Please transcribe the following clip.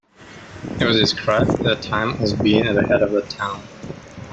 It was described at the time as being at the head of that town.